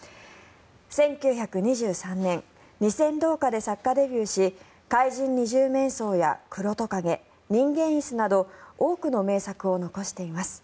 １９２３年「二銭銅貨」で作家デビューし「怪人二十面相」や「黒蜥蜴」「人間椅子」など多くの名作を残しています。